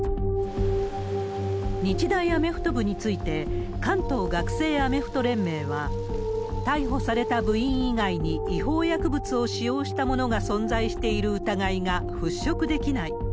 日大アメフト部について、関東学生アメフト連盟は、逮捕された部員以外に違法薬物を使用した者が存在している疑いが払拭できない。